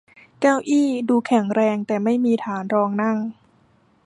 เก้าอี้ดูแข็งแรงแต่ไม่มีฐานรองนั่ง